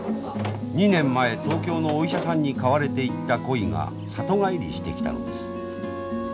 ２年前東京のお医者さんに買われていった鯉が里帰りしてきたのです。